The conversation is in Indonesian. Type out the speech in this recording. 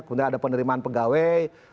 kemudian ada penerimaan pegawai